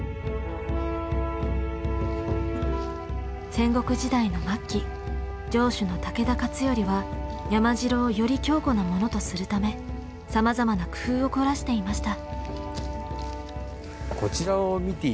戦国時代の末期城主の武田勝頼は山城をより強固なものとするためさまざまな工夫を凝らしていました。